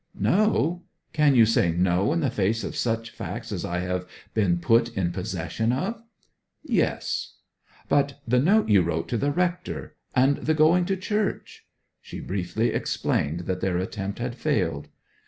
'No? Can you say no in the face of such facts as I have been put in possession of?' 'Yes.' 'But the note you wrote to the rector and the going to church?' She briefly explained that their attempt had failed.